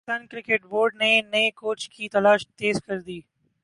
Pakistan cricket board نے نئے coach کی تلاش تیز کر دی